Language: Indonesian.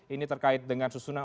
ini terkait dengan susunan